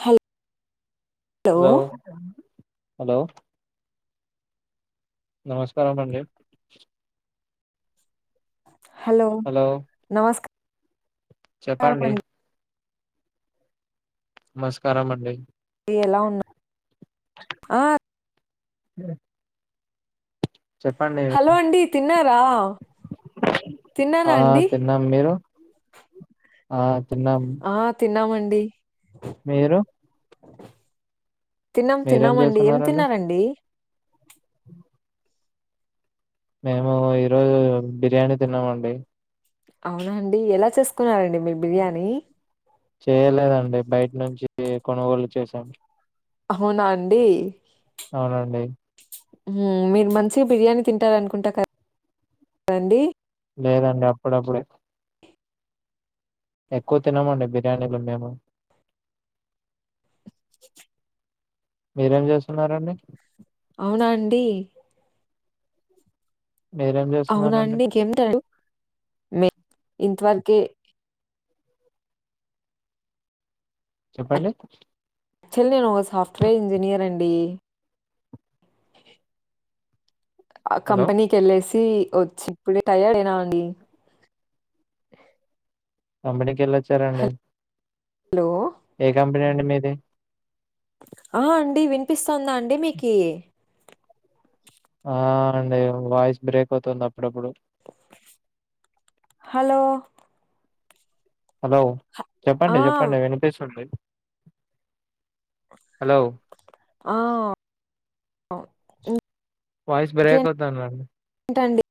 Hello hello hello నమస్కారం అండి hello నమస్క చెప్పండి నమస్కారం అండి డి ఎలా ఉన్నావ్ ఆ ఇదే హలో అండి తిన్నారా తిన్నారా అండి ఆ మీరు ఆ తిన్నాం ఆ తిన్నామండి మీరు తిన్నాం మీరేం తిన్నామండి ఏం తిన్నారండి ఓ మేము ఈరోజు బిర్యానీ తిన్నామండి అవునా అండి ఎలా చేసుకున్నారండి మీరు బిర్యానీ చేయలేదండి బయట నుంచి కొనుగోలు చేసాం హావునా అండి అవునండి ఉమ్ మీరు మంచిగా బిర్యానీ తింటారానుకుంట కదండి లేదండి అప్పుడప్పుడే ఎక్కువ తినమండి బిర్యానీలు మేము మీరేం చేస్తున్నారండి అవునా అండి మీరే చేత్ అవునా అండి [inaudible] మీ ఇంతవరకి చెప్పండి చెల్లి నేను ఒక సాఫ్ట్వేర్ ఇంజనీయర్ అండి అ ఆ హలో కంపెనీకెళ్ళేసి వచ్చి ఇప్పుడే టయర్డ్ అయినా అండి కంపనీకేళ్ళ వచ్చారాండి హలో ఏ కంపెనీ అండి మీది ఆ అండి వినిపిస్ందా అండి మీకి ఆ అండి వాయిస్ బ్రేక్ అవుతుంది అప్పుడప్పుడు హలో హలో ఆ చెప్పండి చెప్పండి వినిపిస్తుంది హలో ఆ ఓ ఉ వాయిస్ బ్రేక్ అవుతంది అండి ఏంటండి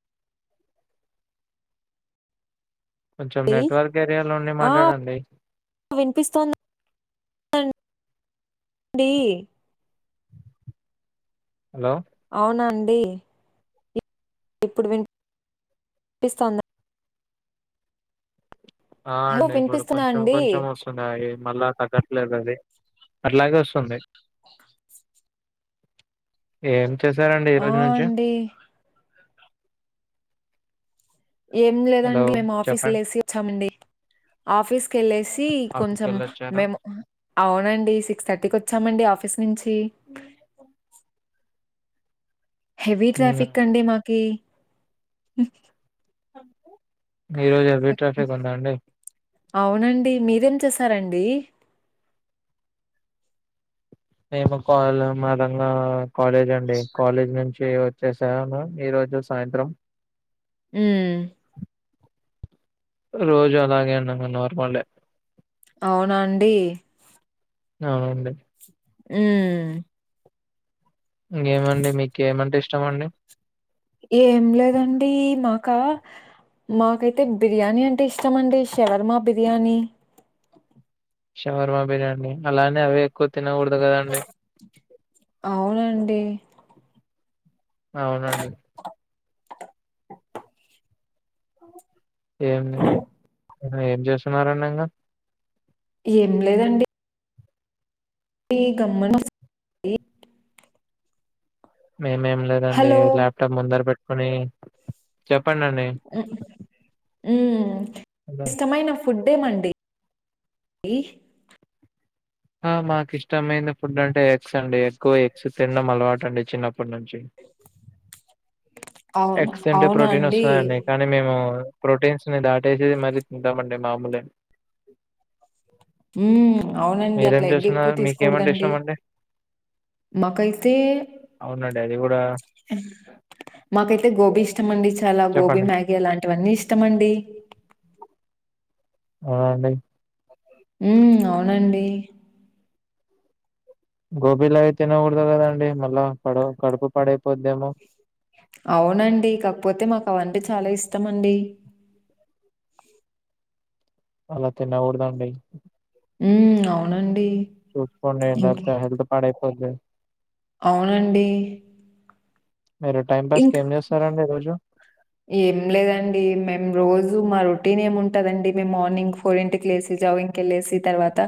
కొంచెం నెట్వర్క్ ఏరియాలోండి మాట్లాడండి వినిపిస్తుందా [inaudible] అ [inaudible] డి హలో అవునండి ఇప్పుడు విన్ [inaudible] పిస్తాంద ఆ హలో అండి ఇప్పుడు వినిపిస్తుందా కొంచెం అండి కొంచెం వస్ ఇంగా యే మళ్ళా తగ్గట్లేదు అది అట్లాగే వస్తుంది ఏం చేశారండి ఈ ఆ రోజు నుంచి అండి ఏం హలో లేదండి మేము ఆఫీస్ చెప్పండి లేేసి వచ్చామండి ఆఫీస్కి వెళ్ళేసి ఆఫీస్కి కొంచెం వెళ్ళొచ్చారా మేము అవునండి సిక్స్ థర్టీకి వచ్చామండి ఆఫీస్ నుంచి హెవీ ఉమ్. ట్రాఫిక్ కండి మాకి ఈరోజు హెవీ ట్రాఫిక్ ఉందా అండి అవునండి మీరేం చేసారండి మేము కాల్ మా దంగా కాలేజ అండి కాలేజ్ నుంచి హే వచ్చేసాను ఈ రోజు సాయంత్రం ఉ రోజు అలాగే అన్నా నార్మల్ అవున్నా అండి అవునండి ఉమ్ ఉ ఇంకేమండి మీకు ఏమంటే ఇష్టం అండి ఏం లేదండి మాకా మాకైతే బిర్యానీ అంటే ఇష్టమండి షవర్మా బిర్యానీ షవర్మా బిర్యానీ అలానే అవి ఎక్కువ తినకూడదు కదండి అవునండి అవునండి [inaudible] ఏం ఏం చేస్తున్నారండి ఇంకా ఏం లేదండి ఏ గమ్మన కుస్ మేమేం లేదండి హలో ల్యాప్టాప్ ముందర పెట్టుకుని చెప్పండండి ఉమ్ అదా! ఇష్టమైన ఫు ఫుడ్డే మండి ఈ ఆ మాకు ఇష్టమైన ఫుడ్ అంటే ఎగ్స్ అండి ఎక్కువ ఎగ్స్ తినడం అలవాటు అండి చిన్నప్పటి నుంచి అవును. ఎగ్స్ అంటే అవునా ప్రోటీన్ వస్తాది అండి కానీ మేము ప్రోటీన్స్ ని దాటేసేది మళ్ళీ తింటామండి మామూలే ఉ అవునండి మీరేం అట్లా ఎగ్ ఎక్కువ చేస్తున్నారు? మీకేమంటే తీసుకూడదండి ఇష్టమండి? మాకైతే అవునండి అది గూడా మాకైతే గోబీ ఇష్టం అండి చాలా గోబీ చెప్పండి. మ్యాగీ అలాంటివన్నీ ఇష్టం ఇష్టమండి ఆవున అండి. ఉమ్ అవునండి గోబీలా అవి తినకూడదు కదండి మళ్ళా పడ కడుపు పడైపోద్దేమో అవునండి కాకపోతే మాకు అవంటె చాలా ఇష్టం అండి అలా తిన్నకూడదండి ఉ అవునండి. చూసుకోండి ఏం ఇంకే లేకపోతే హెల్త్ పాడైయిపోది అవునండి మీరు టైం పాస్ కి ఇంక ఏం చేస్తారండి రోజు [inaudible] ఏం లేదండి మేం రోజు మ రొటీనేముంటదండి మేం మార్నింగ్ ఫోరింటికి లేసి జావింగ్ కెళ్ళేసి తర్వాత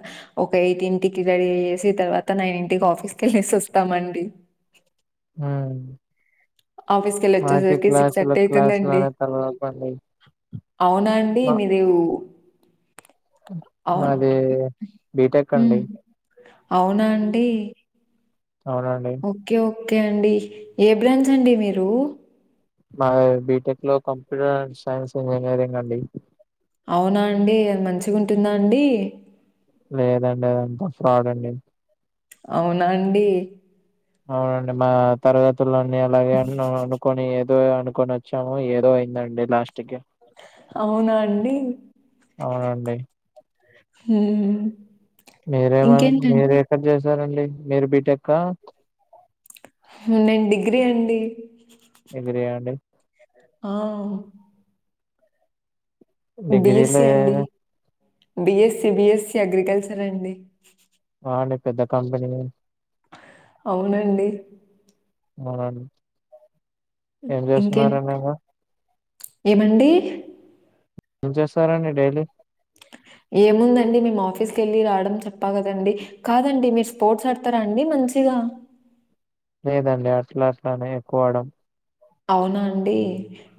ఒక ఎయిట్ ఇంటికి రెడీ అయ్యేసి తర్వాత నైనింటికి ఆఫీస్కేళ్ళసి వస్తామండి అ మాకే ఆఫీస్‌కెళ్ళొచ్చేసరికి క్లాసులు అయితుందండి. అనే తలనోప్ప అట్ల అవునండి మీరేవు అవును మాది బీటెక్ ఉ అండి. అవునాండి అవునండి ఓకే ఓకే అండి ఏ బ్రాంచ్ అండి మీరు మా బీటెక్ లో కంప్యూటర్ అండ్ సైన్స్ ఇంజనీరింగ్ అండి అవునా అండి అద్మచిగుంటుందా అండి లేదండి అదంతా ఫ్రాడండి అవునండి అవునండి మా తరగతులు అన్నీ అలాగే అన్నూను కొని ఏదో అనుకునొచ్చాము ఏదో అయైందండి లాస్ట్ కి అవునా అండి అవునండి హు మీరేమనుకు మీరేక్కడ జేసారండి మీరు బీటెక్క హు నేన్ డిగ్రీ అండి డిగ్రీయా అండి ఆ డిగ్రీ బిఎస్సి అండి లేదు బిఎస్సి అగ్రికల్చర్ అండి వాడే పెద్దకంపెనీ అవునండి అవున ఏం ఇంకేం చేస్తున్నరండి ఇంగా ఏమండి ఎం చేస్తారాండి డైలీ ఏముందండి మేం ఆఫీస్ కి ఎళ్ళిరావడం చెప్పా కదండి కాదండి మీరు స్పోర్ట్స్ ఆడ్తారా అండి మంచిగా లేదండి అట్లా అట్లానే ఎక్కుఆడం అవునా అండి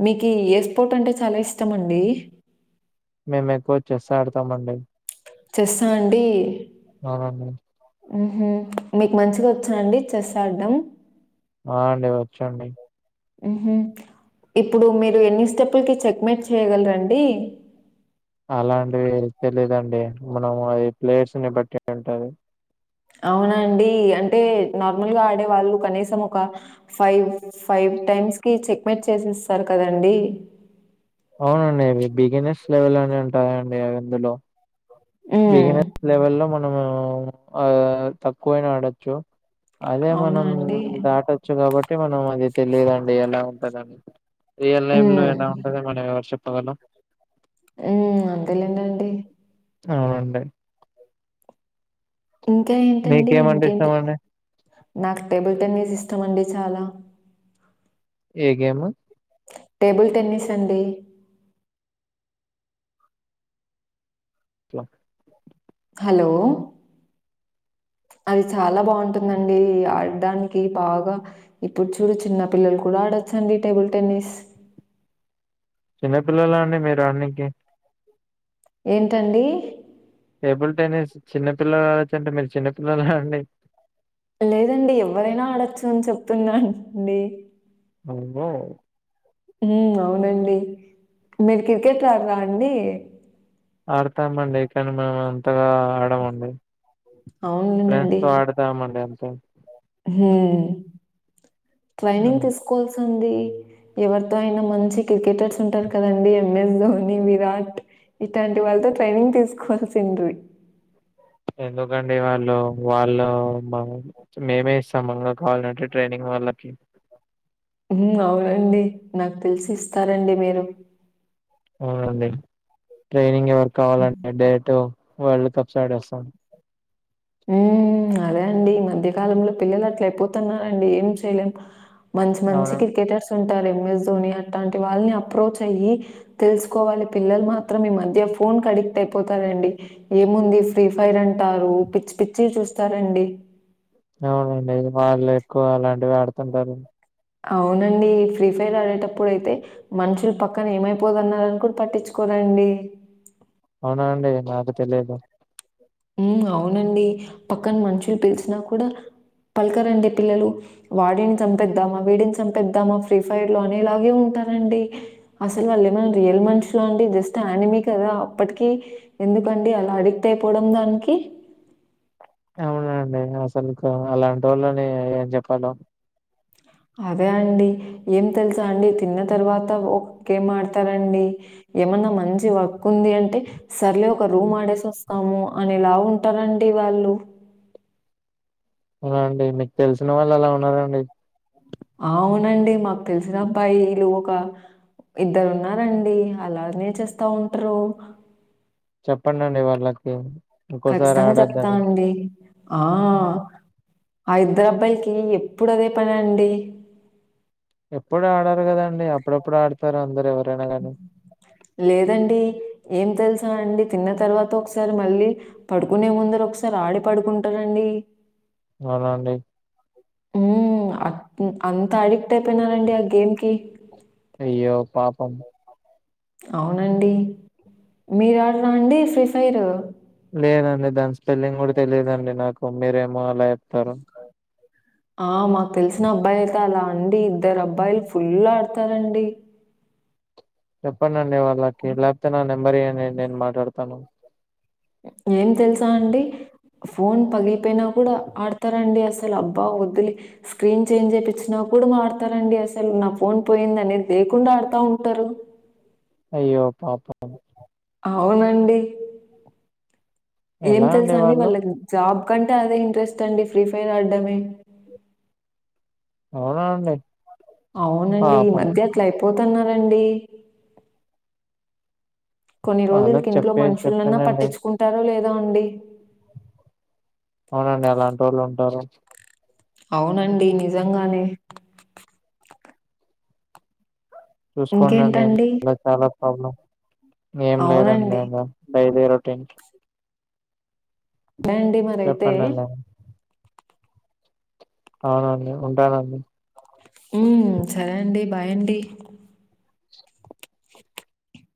మీకు ఎస్పోట్ అంటే చాలా ఇష్టమండి మేం ఎక్కువ చెస్ ఆడతామండి చెస్సా అండి అవునండి ఉహు మీకు మంచిగా వచ్చునండి చెస్ ఆడ్డం ఆ అండి వొచ్చండి ఉహు ఇప్పుడు మీరు ఎన్ని స్టెప్పులకి చెక్మెేట్ చేయ్యగలరండి అలాంటివి తెలిదండి మనము అది ప్లేస్ ని బట్టి ఉంటది. అవునండి అంటే నార్మల్ గా ఆడేవాళ్ళు కనీసం ఒక ఫైవ్ టైమ్స్ కి చెక్మెట్ చేసేస్తారు కదండి. అవునండి అవి బిగనెస్ లెవెల్లోనే ఉంటాయిండి అవిందులో హ్మ్. బిగినెస్ లెవెల్లో మనము ఆ తక్కువైనా ఆడొచ్చు అదే అవునా మనం అండి? దాటచ్చు కాబట్టి మనం అది తెలియదుండి ఎలా ఉంటందని రియల్ లైఫ్ లో హ్మ్. ఎలా ఉంటదో మనంఎవరు చెప్పగలం ఊ అంతే లెండి అవునండి ఇంకా ఏంటండి మీకేమంటే ఇష్టం ఇంకేంటి అండి నాకు టేబుల్ టెన్నిస్ ఇష్టం అండి చాలా ఏ గేమ్ టేబుల్ టెన్నిస్ అండి లా హలో అది చాలా బాగుంటుందండి ఆడడానికి బాగా ఇప్పుడు చూడు చిన్న పిల్లలు కూడా ఆడొచ్చండి టేబుల్ టెన్నిస్ చిన్నపిల్లలా అండి మీరు ఆడనీకి ఏంటండి. టేబుల్ టెన్నిస్ చిన్న పిల్లలు ఆడచ్చు అంటే మీరు చిన్న పిల్లలా అండి. లేదండి ఎవరైనా ఆడొచ్చు అని చెప్తున్నా అండి నువ్వు ఉమ్ అవునండి మీరు క్రికెట్ ఆడరా అండి ఆడతామండి కానీ మేము అంతగా ఆడమండి ఫ్రెండ్స్ అవునండి. తో ఆడతామండి అంతే హమ్ ట్రైనింగ్ హ్మ్. తీసుకోవాల్సి ఉంది ఎవరితో అయినా మంచి క్రికెటర్స్ ఉంటారు కదండి ఎంఎస్ ధోని విరాట్ ఇట్టాంటి వాళ్ళతో ట్రైనింగ్ తీసుకోవాల్సింది డుయ్ ఎందుకండి వాళ్ళు వాళ్ళు మా మేమే ఇస్తాం మంగ కావాలంటే ట్రైనింగ్ వాళ్ళకి ఉమ్అవునండి నాకు తెలిసి ఇస్తారండి మీరు అవునండి ట్రైనింగ్ ఎవరి కావాలండి డేటు వరల్డ్ కప్స్ ఆడేస్తాను ఉమ్ అదే అండి ఈ మధ్యకాలంలో పిల్లలు అట్ల అయిపోతున్నారండి ఏం చేయలేం మంచి మంచి అవునండి క్రికెటర్స్ ఉంటారు ఎంఎస్ ధోని అట్టాంటి వాళ్ళని అప్రోచ్ అయ్యి తెలుసుకోవాలి పిల్లలు మాత్రం ఈ మధ్య ఫోన్ కి అడెక్ట్ అయిపోతారండి ఏముంది ఫ్రీ ఫైర్ అంటారు పిచ్చి పిచ్చి చూస్తారండి అవునండి వాళ్ళు ఎక్కువ అలాంటివే ఆడుతుంటారు అవునండి ఫ్రీ ఫైర్ ఆడేటప్పుడు అయితే మనుషులు పక్కన ఏమైపోతున్నారని కూడా పట్టించుకోదండి అవునా అండి నాకు తెలీదు ఉమ్ అవునండి పక్కన మనుషులు పిలిచినా కూడా పలకరండి పిల్లలు వాడిని చంపేద్దామా వీడిని చంపేద్దామా ఫ్రీ ఫైర్ లో అనే లాగే ఉంటారండి. అసలు వాళ్ళు ఏమైనా రియల్ మనుషులా అండి జస్ట్ యానిమీ కదా అప్పటికి ఎందుకండి అలా అడిక్ట్ అయిపోవడం దానికి అవునండి అసలు అలాంటి వాళ్ళని ఏం చెప్పాలో అదే అండి ఏం తెలుసా అండి తిన్న తర్వాత ఒ కేం ఆడతారండి ఏమన్నా మంచి వర్క్ ఉంది అంటే సర్లే ఒక రూమ్ ఆడేసి వస్తాము అనేలా ఉంటారండి వాళ్ళు అవునా అండి మీకు తెలిసిన వాళ్ళు అలా ఉన్నారండి అవునండి మాకు తెలిసిన అబ్బాయి ఇలు ఒక ఇద్దరు ఉన్నారండి అలానే చేస్తా ఉంటారు చెప్పండండి వాళ్ళకి ఇంకోసారి ఖచ్చితంగా ఆడొద్దని. చెప్తానండి ఆ ఇద్దరు అబ్బాయిలకి ఎప్పుడు అదే పనండి ఎప్పుడు ఆడారు కదాండి అప్పుడెప్పుడు ఆడతారు అందరు ఎవ లేదండి ఏం తెలుసా అండి తిన్న తర్వాత ఒకసారి మళ్ళీ పడుకునే ముందర ఒకసారి ఆడి పడుకుంటానండి అవునా అండి ఉ అట్ అంత అడిక్ట్ అయిపోయిన నండి ఆ గేమ్కి అయ్యో పాపం అవునండి మీరు ఆడరా అండి ఫ్రీ ఫైరు లేదండి దాని స్పెల్లింగ్ కూడా తెలియదండి నాకు మీరేమో అలా చెప్తారు ఆ మాకు తెలిసిన అబ్బాయి అయితే అలా అండి ఇద్దరు అబ్బాయిలు ఫుల్ ఆడతారండి చెప్పండి అండి వాళ్ళకి లేకపోతే నా నెంబర్ ఇయ్యండి నేను మాట్లాడతాను ఏం తెలుసా అండి ఫోన్ పగిలిపోయినా కూడా ఆడతారండి అసలు అబ్బా వద్దులే స్క్రీన్ చేంజ్ చేపించినా కూడా మా ఆడతారండి అసలు నా ఫోన్ పోయింది అనేది లేకుండా ఆడుతా ఉంటారు అయ్యో పాపం అవునండి ఏం ఎలా తెలుసా అండి వాళ్ళు? వాళ్ళకి జాబ్ కంటే అదే ఇంట్రెస్ట్ అండి ఫ్రీ ఫైర్ ఆడడమే అవునా అండి అవునండి ఈ పాపం. మధ్య అట్ల అయిపోతున్నారండీ కొన్ని వాళ్ళకి రోజులకి ఇంట్లో చెప్పే మనుషులన్నా చెప్పానండి పట్టించుకుంటారో లేదో అండి అవునండి అలాంటి వోళ్ళు ఉంటారు అవునండి నిజంగానే చూసుకోండి ఇంకేంటండి? నే చాలా ప్రాబ్లం ఏం లేదండి అవునండి. ఇంగా డైలీ రొటీన్ ఉంట అండి మరి అయితే చెప్పండండి అవునండి ఉంటానండి ఉ సరే అండి బాయ్ అండి